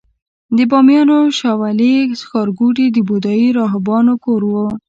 د بامیانو شاولې ښارګوټي د بودايي راهبانو کور و